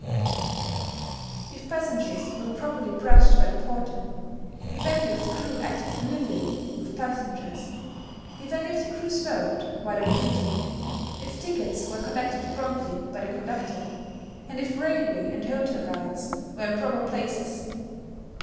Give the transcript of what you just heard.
If passengers were properly brushed by the porter; if any of the crew acted familiarly with passengers; if any of the crew smoked while on duty; if tickets were collected promptly by the conductor, and if railway and hotel guides were in proper places.